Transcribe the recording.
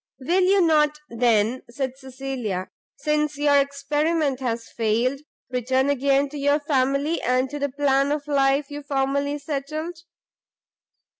"Will you not then," said Cecilia, "since your experiment has failed, return again to your family, and to the plan of life you formerly settled?"